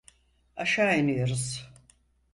Aşağı iniyoruz.